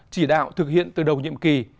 chỉ đạo thực hiện từ đầu nhiệm kỳ